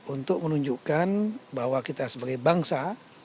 untuk menunjukkan bahwa kita sebagai bangsa